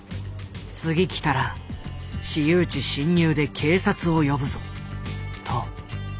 次来たら私有地侵入で警察を呼ぶぞ」と。